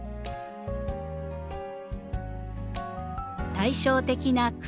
対照的な黒。